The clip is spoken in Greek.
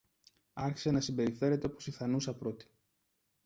άρχισε να συμπεριφέρεται όπως η θανούσα πρώτη.